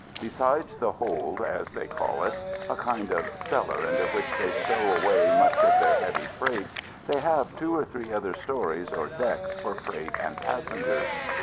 Besides the hold, as they call it a kind of cellar into which they stow away much of their heavy freight they have two or three other stories or decks for freight and passengers.